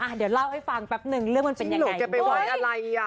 หรออะเดี๋ยวเล่าให้ฟังแป๊บหนึ่งเรื่องมันเป็นยังไงที่หลวงจะไปไหวอะไรอ่ะ